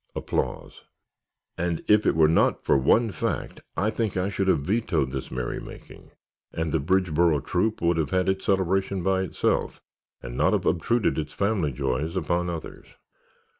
And if it were not for one fact I think I should have vetoed this merrymaking and the Bridgeboro Troop would have had its celebration by itself and not have obtruded its family joys upon others.